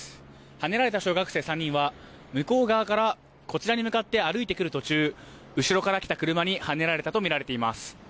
はねられた小学生３人は向こう側からこちらに向かって歩いてくる途中後ろから来た車にはねられたとみられています。